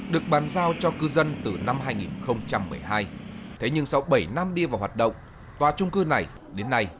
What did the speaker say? được bàn giao cho cư dân từ năm hai nghìn một mươi hai thế nhưng sau bảy năm đi vào hoạt động tòa trung cư này đến nay